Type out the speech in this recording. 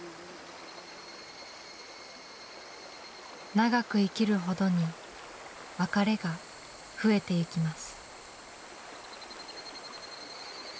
長く生きるほどに別れが増えていきます。